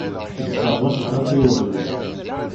Isseṛwa cclaḍa i uɣyul.